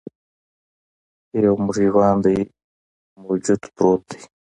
یو مړ ژواندی موجود پروت دی.